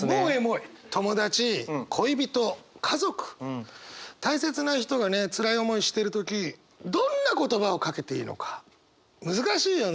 友達恋人家族大切な人がねつらい思いしてる時どんな言葉をかけていいのか難しいよね。